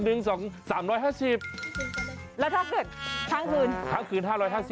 แล้วถ้าเกิดค้างคืนค้างคืน๕๕๐